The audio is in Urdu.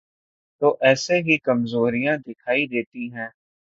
تو ایسی ہی کمزوریاں دکھائی دیتی ہیں۔